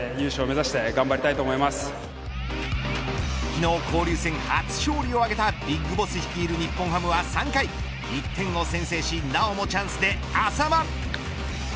昨日、交流戦初勝利を挙げたＢＩＧＢＯＳＳ率いる日本ハムは３回１点を先制しなおもチャンスで淺間。